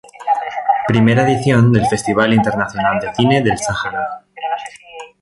I edición del Festival Internacional de cine del Sahara